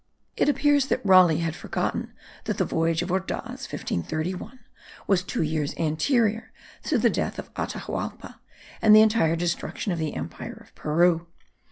It appears that Raleigh had forgotten that the voyage of Ordaz (1531) was two years anterior to the death of Atahualpa and the entire destruction of the empire of Peru!